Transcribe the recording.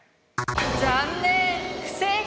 残念不正解！